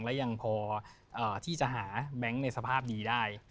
และยังพอที่จะหาแบงค์ในสภาพนี้ได้